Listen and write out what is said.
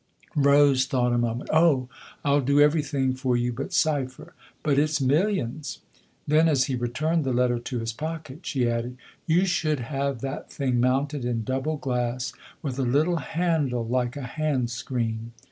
Rose thought a moment. "Oh, I'll do every thing for you but cipher ! But it's millions." Then as he returned the letter to his pocket she added :" You should have that thing mounted in double glass with a little handle like a hand^screen."